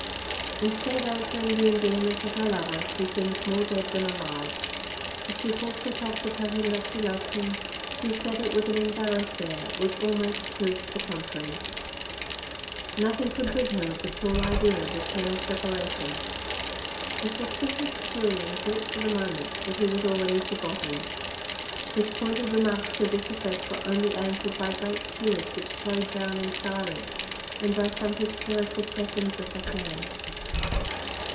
Instead of answering the endearments of her lover, she seemed more dead than alive. If she forced herself to tell him that she loved him, she said it with an em barrassed air which almost proved the contrary. Nothing could rid her of the cruel idea of eternal separation. The suspicious Julien thought for the moment that he was already forgotten. His pointed remarks to this effect were SORROWS OF AN OFFICIAL 167 only answered by great tears which flowed down in silence, and by some hysterical pressings of the hand.